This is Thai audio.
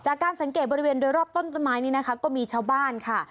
จากการสังเกตบริเวณโดยรอบต้นต้นไม้นี้นะคะก็มีชาวบ้านค่ะ